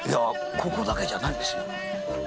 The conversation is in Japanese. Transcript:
ここだけじゃないんです。